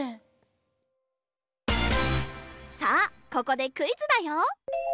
さあここでクイズだよ！